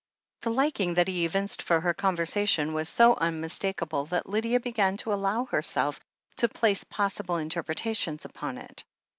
The liking that he evinced for her conversation was so tmmistakable that Lydia began to allow herself to place possible interpretations upon it.